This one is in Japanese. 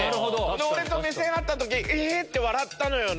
俺と目線合った時エヘって笑ったのよね。